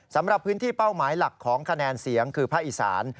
สำหรับพื้นที่เป้าหมายหลักของคะแนนเสียงคือภาคอีสาน